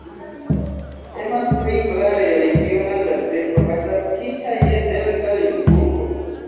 Temas pri klare regiona gazeto, adaptita je belga Limburgo.